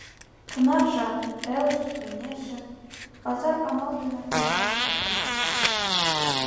Тынар жап, телыже-кеҥежше, пазар амал дене кумалаш коштын.